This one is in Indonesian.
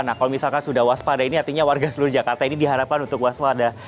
nah kalau misalkan sudah waspada ini artinya warga seluruh jakarta ini diharapkan untuk waspada